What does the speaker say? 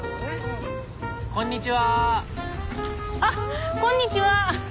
あっこんにちは。